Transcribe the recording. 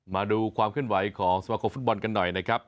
มาดูความเคลื่อนไหวของสมาคมฟุตบอลกันหน่อยนะครับ